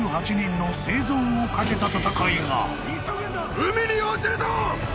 海に落ちるぞ！